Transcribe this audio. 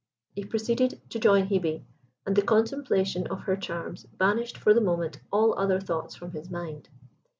He proceeded to join Hebe, and the contemplation of her charms banished for the moment all other thoughts from his mind.